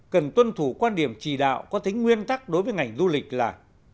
cần tuân thủ quan điểm chỉ đạo có tính nguyên tắc đối với ngành du lịch là